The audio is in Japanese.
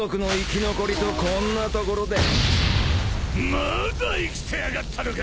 まだ生きてやがったのか！